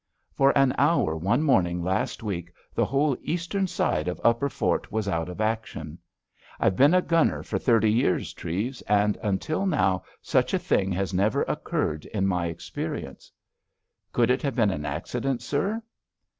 "For an hour one morning last week the whole eastern side of Upper Fort was out of action. I've been a gunner for thirty years, Treves, and until now such a thing has never occurred in my experience." "Could it have been an accident, sir?"